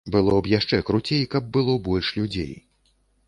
Было б яшчэ круцей, каб было больш людзей.